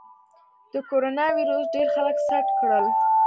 د کرونا ویروس ډېر خلک سټ کړل.